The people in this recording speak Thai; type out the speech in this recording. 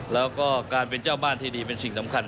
แล้วก็การเป็นเจ้าบ้านที่ดีเป็นสิ่งสำคัญ